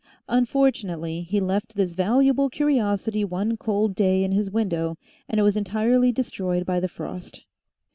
Unfortunately he left this valuable curiosity one cold day in his window and it was entirely destroyed by the frost.